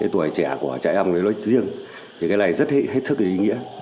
tuổi trẻ của trẻ em nói riêng thì cái này rất hết sức ý nghĩa